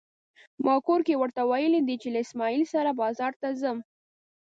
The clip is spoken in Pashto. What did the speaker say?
ما کور کې ورته ويلي دي چې له اسماعيل سره بازار ته ځم.